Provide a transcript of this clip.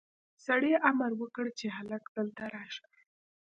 سړي امر وکړ چې هلک دلته راشه.